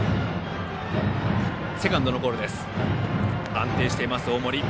安定しています、大森。